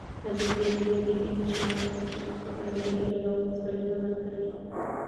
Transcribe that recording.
ازادي راډیو د د ماشومانو حقونه په اړه د بریاوو مثالونه ورکړي.